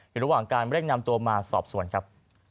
อยู่ระหว่างการเร่งนำตัวมาสอบสวนครับ